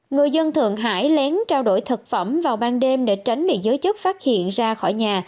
người dân thượng hải lén trao đổi thực phẩm vào ban đêm để tránh bị giới chức phát hiện ra khỏi nhà